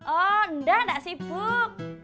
oh enggak enggak sibuk